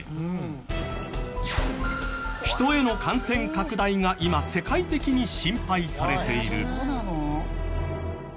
人への感染拡大が今世界的に心配されている。